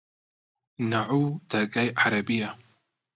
نەحوو دەرگای عەرەبییە